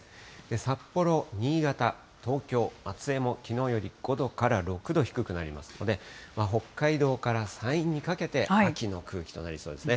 札幌、新潟、東京、松江もきのうより５度から６度低くなりますので、北海道から山陰にかけて、秋の空気となりそうですね。